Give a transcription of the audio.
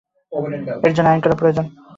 এর জন্য আইন করা প্রয়োজন।